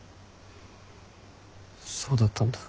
そうだったんだ。